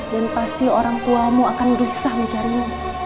dan pasti orang tuamu akan dukung